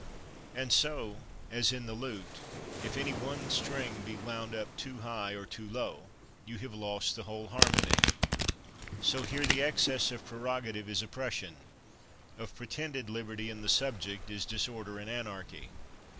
And so, as in the lute, if any one string be wound up to high or too low, you have lost the whole har mony; so here the excess of prerogative is op pression, of pretended liberty in the subject is disorder and anarchy.